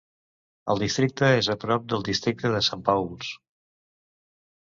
El districte és a prop del districte de Saint Pauls.